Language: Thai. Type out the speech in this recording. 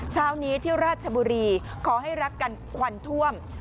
เช้านี้ที่ราชบุรีขอให้รักกันควันท่วม